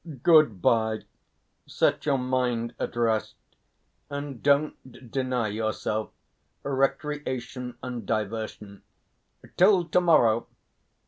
Good bye; set your mind at rest and don't deny yourself recreation and diversion. Till to morrow!